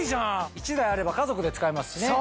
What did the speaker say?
１台あれば家族で使えますしね。